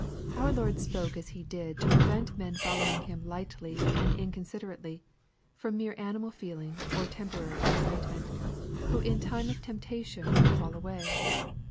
Our Lord spoke as He did to prevent men following Him lightly and inconsiderately, from mere animal feeling or temporary excitement, who in time of temptation would lall away.